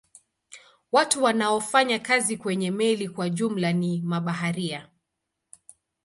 Watu wanaofanya kazi kwenye meli kwa jumla ni mabaharia.